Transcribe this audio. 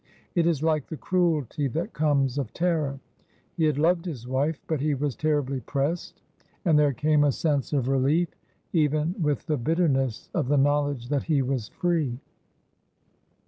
It is like the cruelty that comes of terror. He had loved his wife; but he was terribly pressed, and there came a sense of relief even with the bitterness of the knowledge that he was free.